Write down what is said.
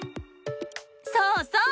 そうそう！